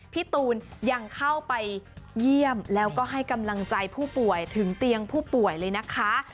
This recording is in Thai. พี่ตูนยังเข้าไปเยี่ยมแล้วก็ให้กำลังใจผู้ป่วยถึงเตียงผู้ป่วยเลยนะคะ